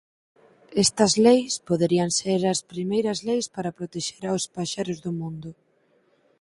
Estas leis poderían ser as primeiras leis para protexer aos paxaros do mundo.